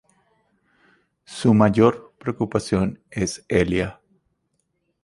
Su mayor preocupación es Elia.